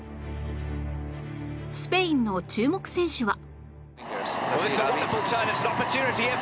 スペインの注目選手は